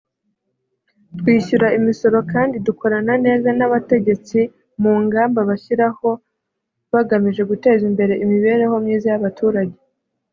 twishyura imisoro kandi dukorana neza n’abategetsi mu ngamba bashyiraho bagamije guteza imbere imibereho myiza y’abaturage